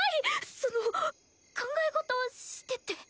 その考え事をしてて。